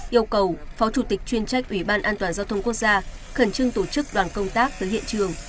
yêu cầu phó chủ tịch chuyên trách ủy ban an toàn giao thông quốc gia khẩn trương tổ chức đoàn công tác tới hiện trường